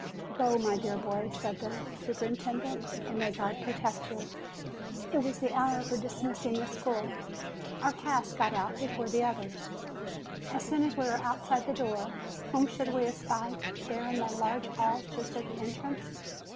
"Go, my dear boy," said the superintendent; "and may God protect you!" It was the hour for dismissing the school. Our class got out before the others. As soon as we were outside the door, whom should we espy there in the large hall just at the entrance?